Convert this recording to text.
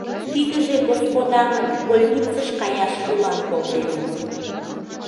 Тидыже господамыт больницыш каяш улам колтеныт.